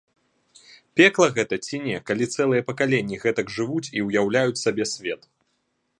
Пекла гэта ці не, калі цэлыя пакаленні гэтак жывуць і ўяўляюць сабе свет?